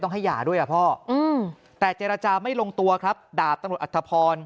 ให้หย่าด้วยอ่ะพ่อแต่เจรจาไม่ลงตัวครับดาบตำรวจอัธพร